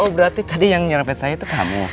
oh berarti tadi yang nyerang pet saya itu kamu